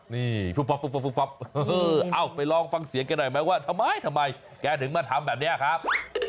นี่เอาไปลองฟังเสียงกันหน่อยไหมว่าทำไมทำไมแกถึงมาทำแบบนี้ครับ